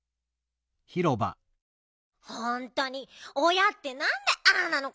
ほんとにおやってなんでああなのかしら！